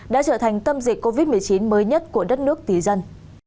đã trở thành tâm dịch covid một mươi chín mới nhất của đất nước tỷ dân